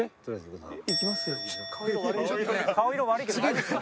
顔色悪いけど大丈夫ですか？